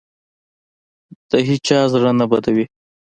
له هېچا زړه نه بدوي.